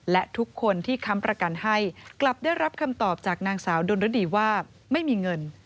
และทุกคนที่ค้ำประกันให้กลับได้รับคำตอบจากนางสาวดนรดีว่าไม่มีเงิน